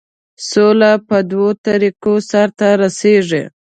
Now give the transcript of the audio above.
سوله په دوو طریقو سرته رسیږي.